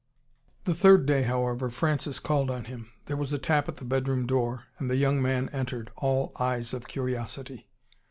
The third day, however, Francis called on him. There was a tap at the bedroom door, and the young man entered, all eyes of curiosity.